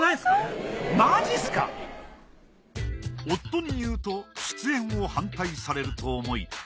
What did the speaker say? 夫に言うと出演を反対されると思い